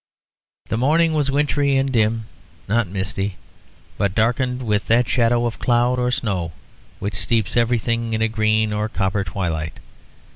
The morning was wintry and dim, not misty, but darkened with that shadow of cloud or snow which steeps everything in a green or copper twilight.